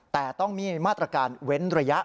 แต่ต้องมีมาตรการเว้นระยะ